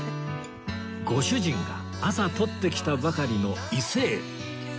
ご主人が朝とってきたばかりの伊勢海老